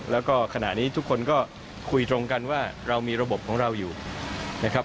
แล้วก็ขณะนี้ทุกคนก็คุยตรงกันว่าเรามีระบบของเราอยู่นะครับ